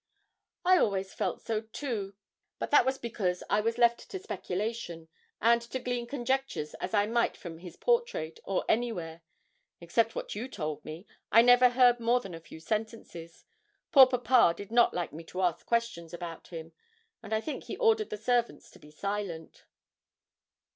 'I always felt so too; but that was because I was left to speculation, and to glean conjectures as I might from his portrait, or anywhere. Except what you told me, I never heard more than a few sentences; poor papa did not like me to ask questions about him, and I think he ordered the servants to be silent.'